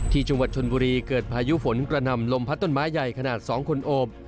ที่จังหวัดชนบุรีเกิดพายุฝนกระนำลมพัดต้นไม้ใหญ่ขนาด๒คนโอบ